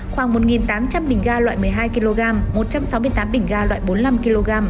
khoảng một tám trăm linh bình ga loại một mươi hai kg một trăm sáu mươi tám bình ga loại bốn mươi năm kg